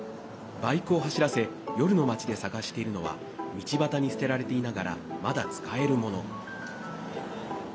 バイクを走らせ夜の街で探しているのは道端に捨てられていながらまだ使えるモノ。